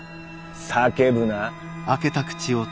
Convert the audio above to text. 叫ぶな。